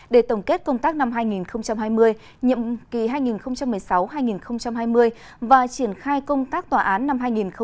để tổng kết công tác năm hai nghìn hai mươi nhiệm kỳ hai nghìn một mươi sáu hai nghìn hai mươi và triển khai công tác tòa án năm hai nghìn hai mươi